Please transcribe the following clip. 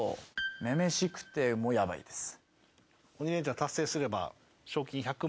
『女々しくて』もヤバいです。